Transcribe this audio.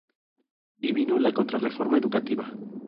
Y vino la contrarreforma educativa.